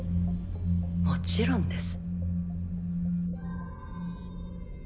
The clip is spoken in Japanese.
もちろんです。